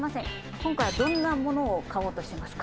今回はどんなものを買おうとしてますか？